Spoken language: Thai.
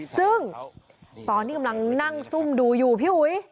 ซึ่งตอนที่กำลังนั่งซุ่มดูอยู่พี่อุ๋ย